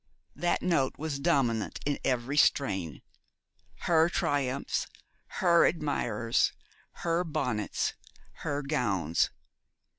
That note was dominant in every strain. Her triumphs, her admirers, her bonnets, her gowns.